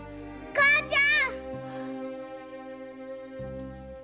母ちゃん！